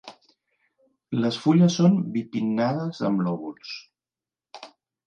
Les fulles són bipinnades amb lòbuls.